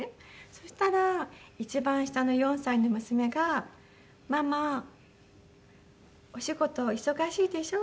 そしたら一番下の４歳の娘が「ママお仕事忙しいでしょ？」